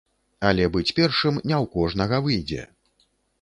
Але быць першым не ў кожнага выйдзе.